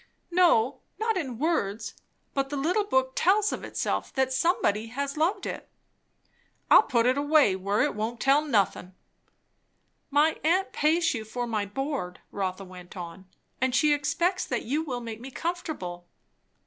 "No, not in words; but the little book tells of itself that somebody has loved it." "I'll put it away, where it won't tell nothin'." "My aunt pays you for my board," Rotha went on, "and she expects that you will make me comfortable."